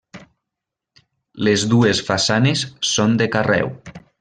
Les dues façanes són de carreu.